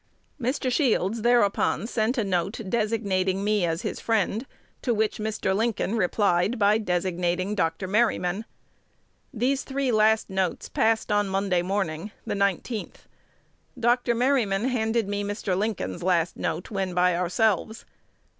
Mr. Shields thereupon sent a note designating me as his friend, to which Mr. Lincoln replied by designating Dr. Merryman. These three last notes passed on Monday morning, the 19th. Dr. Merryman handed me Mr. Lincoln's last note when by ourselves.